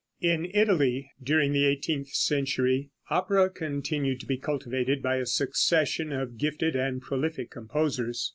In Italy during the eighteenth century, opera continued to be cultivated by a succession of gifted and prolific composers.